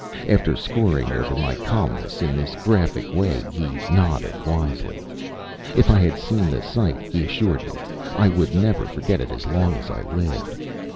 After scoring over my calmness in this graphic way he nodded wisely. If I had seen the sight, he assured me, I would never forget it as long as I lived.